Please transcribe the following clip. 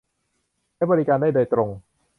และบริการได้โดยตรง